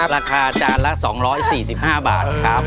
ราคาจานละ๒๔๕บาทครับ